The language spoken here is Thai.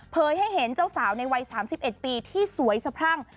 ให้เห็นเจ้าสาวในวัย๓๑ปีที่สวยสะพรั่ง